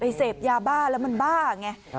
เย้ยเสอบยาบ้าแล้วมันบ้าไง